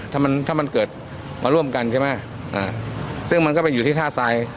ถ้ามันถ้ามันเกิดมาร่วมกันใช่ไหมอ่าซึ่งมันก็ไปอยู่ที่ท่าทราย